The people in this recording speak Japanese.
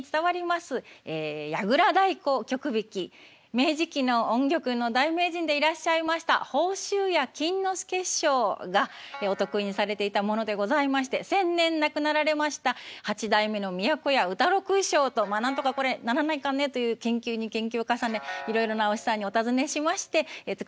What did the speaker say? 明治期の音曲の大名人でいらっしゃいました宝集家金之助師匠がお得意にされていたものでございまして先年亡くなられました八代目の都家歌六師匠と「まあなんとかこれならないかね」という研究に研究を重ねいろいろなお師匠さんにお尋ねしまして作ったものでございます。